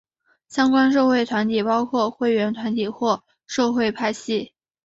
相关社会团体包括会员团体或社会派系。